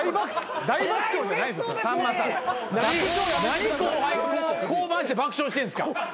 何後輩降板して爆笑してるんですか。